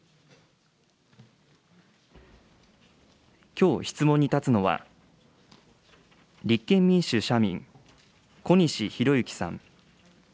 きょう質問に立つのは、立憲民主・社民、小西洋之さん。